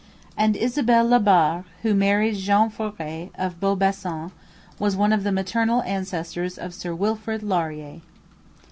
And Isabella Labarre, who married Jean Foret, of Beaubassin, was one of the maternal ancestors of Sir Wilfrid Laurier.